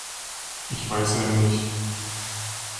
Ich weiß ja nicht.